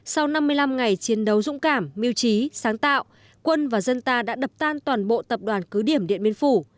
sau năm mươi năm ngày chiến đấu dũng cảm mưu trí sáng tạo quân và dân ta đã đập tan toàn bộ tập đoàn cứ điểm điện biên phủ